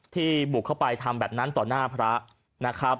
บุกเข้าไปทำแบบนั้นต่อหน้าพระนะครับ